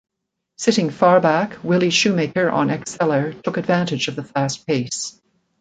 Sitting far back, Willie Shoemaker on Exceller took advantage of the fast pace.